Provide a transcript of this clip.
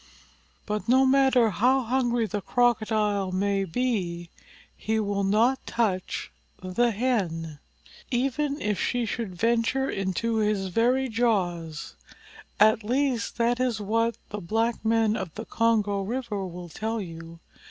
But no matter how hungry the Crocodile may be, he will not touch the Hen, even if she should venture into his very jaws; at least, that is what the Black Men of the Congo River will tell you.